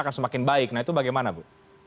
akan semakin baik nah itu bagaimana bu